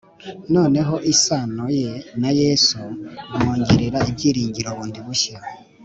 Noneho isano ye na Yesu imwongera ibyiringiro bundi bushya